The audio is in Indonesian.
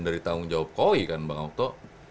dari tanggung jawab koi kan bang okto